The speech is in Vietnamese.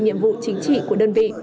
nhiệm vụ chính trị của đơn vị